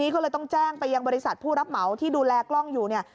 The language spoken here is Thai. ก็เลยต้องแจ้งไปยังบริษัทผู้รับเหมาที่ดูแลกล้องอยู่เนี่ย